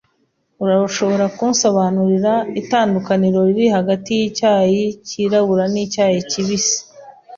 Urashobora kunsobanurira itandukaniro riri hagati yicyayi cyirabura nicyayi kibisi?